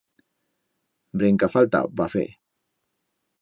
Brenca falta, va fer.